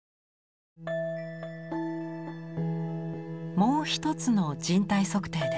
もう一つの「人体測定」です。